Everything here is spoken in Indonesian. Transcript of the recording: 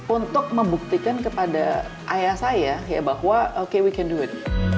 untuk membuktikan kepada ayah saya ya bahwa okay we can do it